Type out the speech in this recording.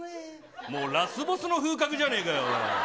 もうラスボスの風格じゃねぇかよ。